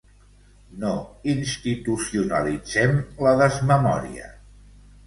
No institucionalitzem la desmemòria.